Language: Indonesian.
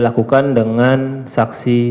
lakukan dengan saksi